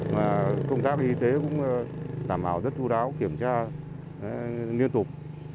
mà công tác y tế cũng đảm bảo rất chú đáo kiểm tra liên tục